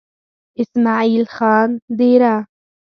اسمعيل خان ديره